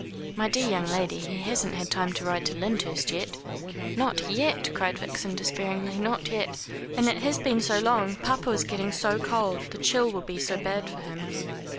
"My dear young lady, he hasn't had time to ride to Lyndhurst yet." "Not yet," cried Vixen despairingly, "not yet! And it has been so long. Papa is getting so cold. The chill will be so bad for him."